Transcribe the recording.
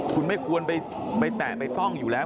คุณไม่ควรไปแตะไปต้องอยู่แล้ว